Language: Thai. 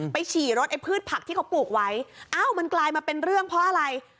ฉี่รถไอ้พืชผักที่เขาปลูกไว้อ้าวมันกลายมาเป็นเรื่องเพราะอะไร